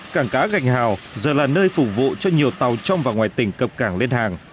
cảng cá gạch hào giờ là nơi phục vụ cho nhiều tàu trong và ngoài tỉnh cập cảng lên hàng